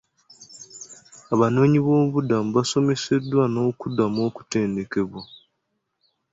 Abanoonyiboobubudamu basomeseddwa n'okuddamu okutendekebwa.